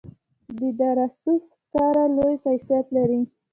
د دره صوف سکاره لوړ کیفیت لري